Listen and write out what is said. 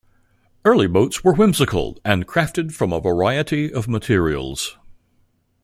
Early boats were whimsical and crafted from a variety of materials.